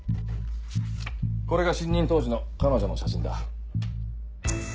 これが新任当時の彼女の写真だ。